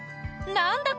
何だ？